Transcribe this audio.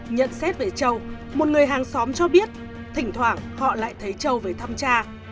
nhận xét về châu một người hàng xóm cho biết thỉnh thoảng họ lại thấy châu về thăm cha